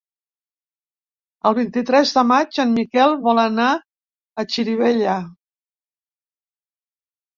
El vint-i-tres de maig en Miquel vol anar a Xirivella.